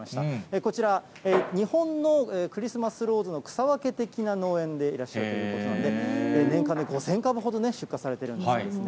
こちら、日本のクリスマスローズの草分け的な農園でいらっしゃるということで、年間で５０００株ほど出荷されているんだそうですね。